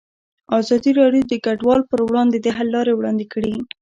ازادي راډیو د کډوال پر وړاندې د حل لارې وړاندې کړي.